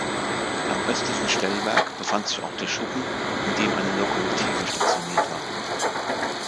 Am östlichen Stellwerk befand sich auch der Schuppen, in dem eine Lokomotive stationiert war.